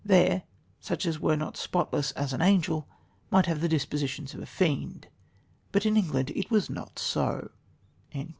There, such as were not spotless as an angel, might have the dispositions of a fiend. But in England it was not so."